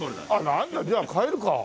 なんだじゃあ帰るか。